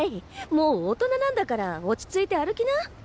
もう大人なんだから落ち着いて歩きな。